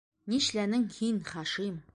Нишләнең һин, Хашим?!